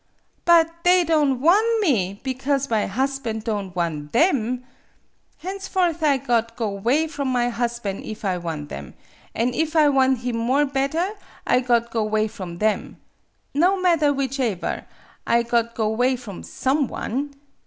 " But they don' wan' me, because my hosban' don' wan' them ! Henceforth I got go 'way from my hosban' if I wan' them ; an' if I wan' him more bedder, I got go 'way from them. No madder whichever, I got go 'way from some one.